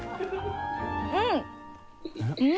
うん！